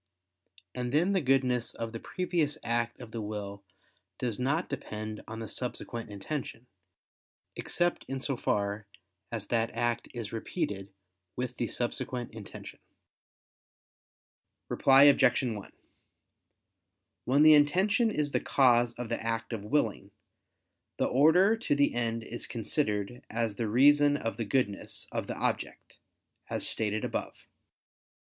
And then the goodness of the previous act of the will does not depend on the subsequent intention, except in so far as that act is repeated with the subsequent intention. Reply Obj. 1: When the intention is the cause of the act of willing, the order to the end is considered as the reason of the goodness of the object, as stated above.